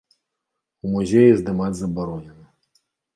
У музеі здымаць забаронена.